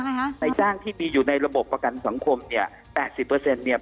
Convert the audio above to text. ให้ต้ายท่านที่มีอยู่ในระบบประกันสังคม๘๐เนี่ย